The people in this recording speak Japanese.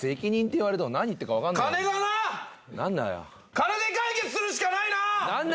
金で解決するしかないな！